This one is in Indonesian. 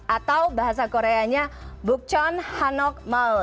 atau bahasa koreanya bukchon hanok mall